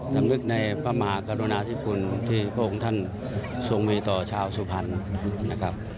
สำนึกในประหมากรณาชิคกรที่พวกคุณท่านทรงมีต่อชาวสุพรรณ